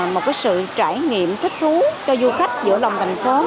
một sự trải nghiệm thích thú cho du khách giữa lòng thành phố